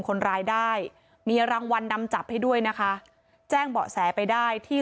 คนร้ายได้มีรางวัลนำจับให้ด้วยนะคะแจ้งเบาะแสไปได้ที่